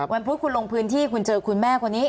พุธคุณลงพื้นที่คุณเจอคุณแม่คนนี้